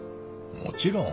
もちろん。